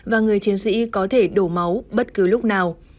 và người chiến sĩ có thể đổ máu bất cứ lúc nào